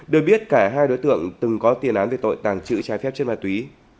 được biết cả hai đối tượng từng có tiền án về tội tàng trữ trái phép trên ma túy